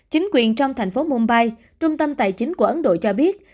chính quyền trong thành phố mumbai trung tâm tài chính của ấn độ cho biết